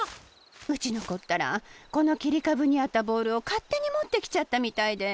うちのこったらこのきりかぶにあったボールをかってにもってきちゃったみたいで。